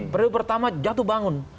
pada pertama jatuh bangun